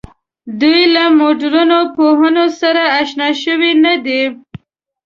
دوی له مډرنو پوهنو سره آشنا شوې نه ده.